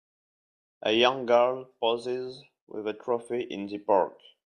A young girl poses with a trophy in the park.